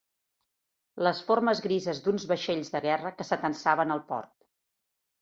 Les formes grises d'uns vaixells de guerra que s'atansaven al port